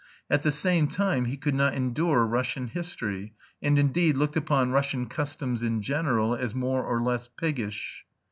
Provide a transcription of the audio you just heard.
At the same time he could not endure Russian history, and, indeed, looked upon Russian customs in general as more or less piggish.